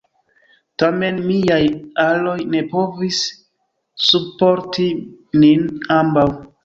Tamen, miaj aloj ne povis subporti nin ambaŭ.